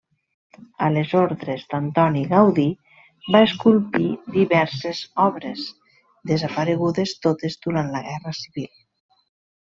A les ordres d'Antoni Gaudí, va esculpir diverses obres, desaparegudes totes durant la Guerra Civil.